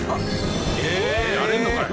やれんのかい。